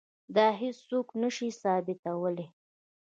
دا هیڅوک نه شي ثابتولی.